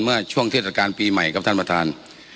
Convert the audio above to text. เมื่อช่วงเทศกาลปีใหม่ครับท่านประธาน